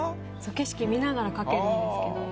景色見ながら描けるんですけど。